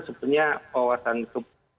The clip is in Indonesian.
sebenarnya wawasan kebangsaan